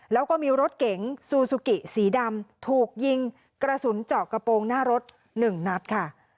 แล้วก็มีรถเก๋งซูซูกิสีดำถูกยิงกระสุนเจาะกระโปรงหน้ารถ๑นัดค่ะ